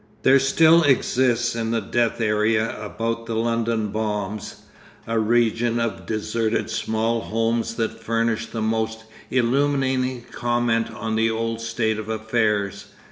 There exists still in the death area about the London bombs, a region of deserted small homes that furnish the most illuminating comment on the old state of affairs.